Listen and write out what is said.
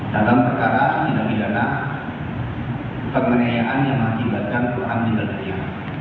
dalam perkara yang dilakukan pemenayaan yang mengakibatkan keambilannya